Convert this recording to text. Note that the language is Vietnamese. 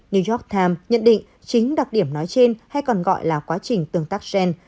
new york times nhận định chính đặc điểm nói trên hay còn gọi là quá trình tương tác gen